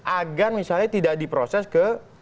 agar misalnya tidak diproses ke